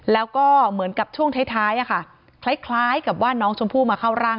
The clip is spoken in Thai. แล้วก็เหมือนกับช่วงท้ายคล้ายกับว่าน้องชมพู่มาเข้าร่าง